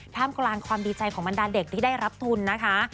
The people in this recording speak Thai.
ท่ามกลางความดีใจของบรรดาเด็กที่ได้รับทุนนะคะ